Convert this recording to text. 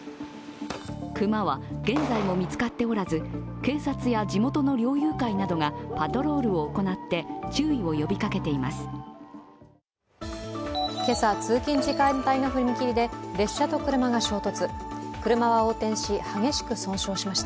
熊は現在も見つかっておらず、警察や地元の猟友会などがパトロールを行って注意を呼びかけています。